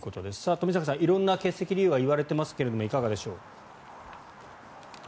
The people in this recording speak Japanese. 冨坂さん色んな欠席理由が言われていますがいかがでしょう。